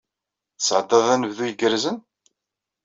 Tesɛeddaḍ anebdu igerrzen?